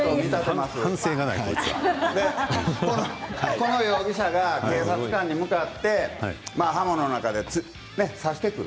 この容疑者が警察官に向かって刃物なんかで刺してくる。